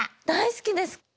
大好きです！